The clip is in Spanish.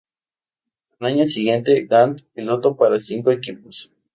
Al año siguiente Gant piloto para cinco equipos.